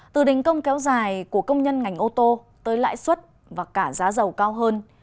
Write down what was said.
từ đình công kéo dài của công nhân ngành ô tô tới lãi suất và cả giá dầu cao hơn